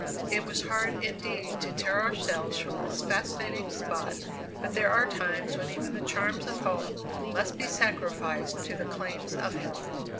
It was hard indeed to tear ourselves from this fascinating spot, but there are times when even the charms of home must be sacrificed to the claims of health.